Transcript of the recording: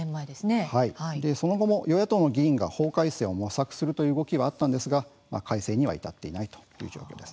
その後も与野党の議員が法改正を模索するという動きがあったんですが改正には至っていないという状況です。